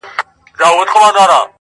که نقاب پر مخ نیازبینه په مخ راسې،